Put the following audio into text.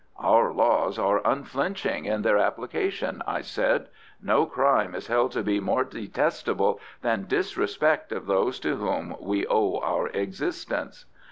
"Our laws are unflinching in their application," I said. "No crime is held to be more detestable than disrespect of those to whom we owe our existence."